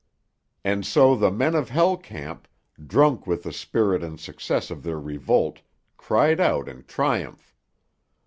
And so the men of Hell Camp, drunk with the spirit and success of their revolt, cried out in triumph.